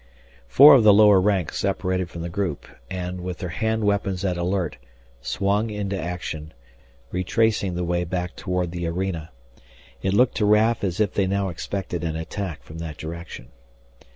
Four of the lower ranks separated from the group and, with their hand weapons at alert, swung into action, retracing the way back toward the arena. It looked to Raf as if they now expected an attack from that direction.